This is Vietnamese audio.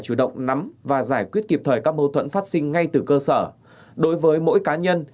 chủ động nắm và giải quyết kịp thời các mâu thuẫn phát sinh ngay từ cơ sở đối với mỗi cá nhân